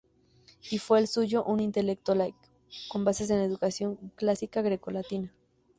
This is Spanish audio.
Y fue el suyo un intelecto laico, con bases en la educación clásica grecolatina.